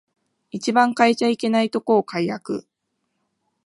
一番変えちゃいけないとこを改悪